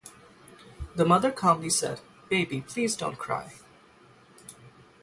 The mother calmly said: "Baby please don't cry."